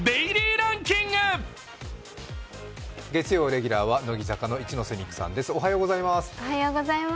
月曜レギュラーは乃木坂の一ノ瀬美空さんです。